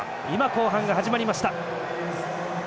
後半が始まりました。